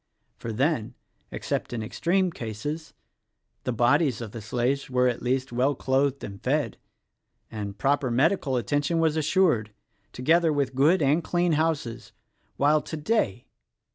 For then — except in extreme cases — the bodies of the slaves were, at least, well clothed and fed, and proper medical attention was assured — together with good and clean houses — while today!